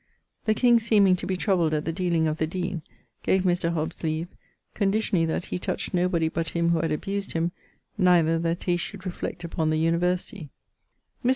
The king seeming to be troubled at the dealing of the deane, gave Mr. Hobbes leave, conditionally that he touch no body but him who had abused him, neither that he should reflect upon the Universitie. Mr.